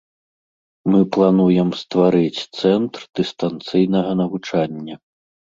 Мы плануем стварыць цэнтр дыстанцыйнага навучання.